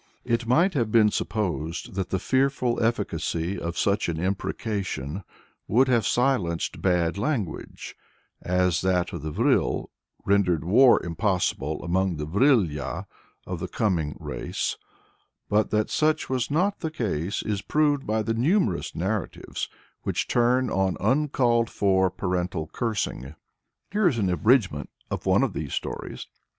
It might have been supposed that the fearful efficacy of such an imprecation would have silenced bad language, as that of the Vril rendered war impossible among the Vril ya of "The Coming Race;" but that such was not the case is proved by the number of narratives which turn on uncalled for parental cursing. Here is an abridgment of one of these stories.